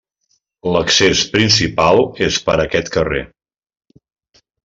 L'accés principal és per aquest carrer.